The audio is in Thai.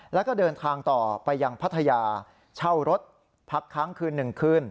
แล้วก็เดินทางต่อไปยังพัทยาเช่ารถพักค้างคืน๑คืน